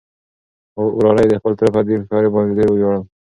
وراره يې د خپل تره په دې هوښيارۍ باندې ډېر ووياړل.